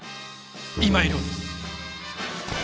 今井亮です。